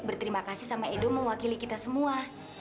berterima kasih sama edo mewakili kita semua